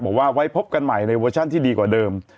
ไว้พบกันใหม่ในเวอร์ชันที่ดีกว่าเดิม